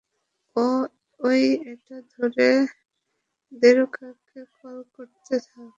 এই, এটা ধর দ্বোরকাকে কল করতে থাক।